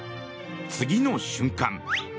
次の瞬間。